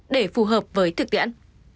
để phù hợp với thực tiễn